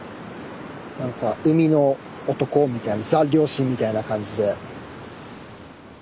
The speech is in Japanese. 何か海の男みたいなザ・漁師みたいな感じで。